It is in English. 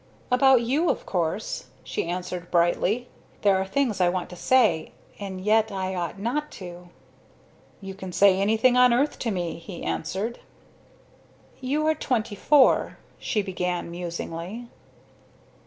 "About you, of course," she answered, brightly. "There are things I want to say; and yet I ought not to." "You can say anything on earth to me," he answered. "You are twenty four," she began, musingly.